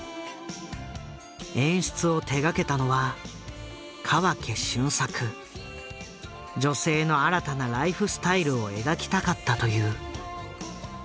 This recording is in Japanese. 演出を手がけたのは女性の新たなライフスタイルを描きたかったという。